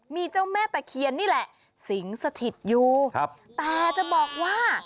มีเจ้าแม่ตะเคียนนี่แหละสิงสถิตอยู่ครับแต่จะบอกว่า